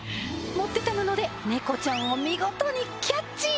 持ってた布で猫ちゃんを見事にキャッチ！